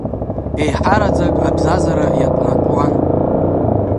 Еиҳараӡак абзазара иатәнатәуан.